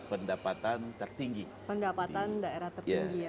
pendapatan daerah tertinggi ya pak ya